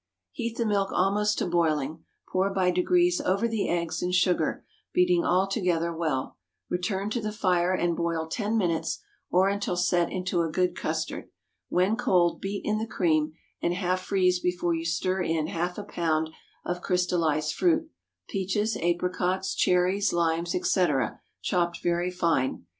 Heat the milk almost to boiling; pour by degrees over the eggs and sugar, beating all together well. Return to the fire, and boil ten minutes, or until set into a good custard. When cold, beat in the cream, and half freeze before you stir in half a pound of crystallized fruit—peaches, apricots, cherries, limes, etc., chopped very fine.